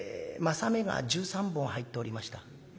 柾目が１３本入っておりました」。